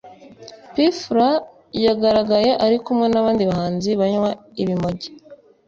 p fla yagaragaye arikumwe nabandi bahanzi banywa ibimogi